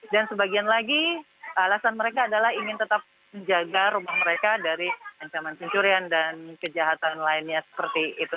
dan sebagian lagi alasan mereka adalah ingin tetap menjaga rumah mereka dari ancaman pencurian dan kejahatan lainnya seperti itu